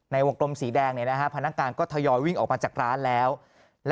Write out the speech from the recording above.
ในวงกรมสีแดงผนังการวิ่งออกมาจากร้าน